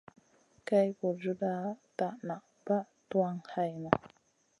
Kay juruda ta nan bah tuwan hayna.